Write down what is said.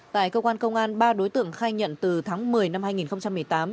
tại cơ quan công an ba đối tượng khai nhận từ tháng một mươi năm hai nghìn một mươi tám